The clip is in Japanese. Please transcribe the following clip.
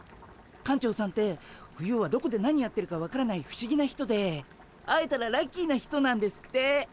館長さんって冬はどこで何やってるか分からない不思議な人で会えたらラッキーな人なんですって。